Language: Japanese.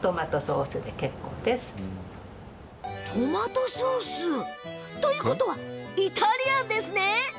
トマトソースということはイタリアンですね？